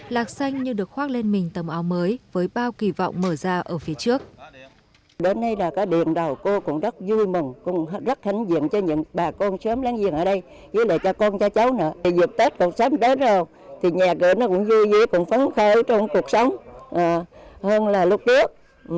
lạc xanh như được khoác lên mình tầm áo mới với bao kỳ vọng mở ra ở phía trước